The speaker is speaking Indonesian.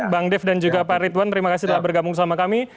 bang dev dan juga pak ridwan terima kasih telah bergabung bersama kami